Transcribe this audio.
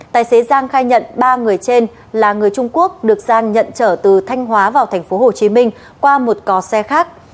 tài xế giang khai nhận ba người trên là người trung quốc được giang nhận trở từ thanh hóa vào tp hcm qua một cò xe khác